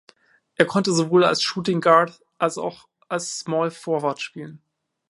Er konnte sowohl als Shooting Guard als auch als Small Forward spielen.